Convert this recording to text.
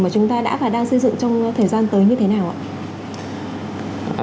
mà chúng ta đã và đang xây dựng trong thời gian tới như thế nào ạ